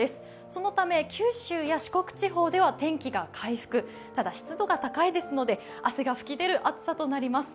そのため、九州や四国では天気が回復、ただ湿度が高いですので、汗が噴き出る暑さとなります。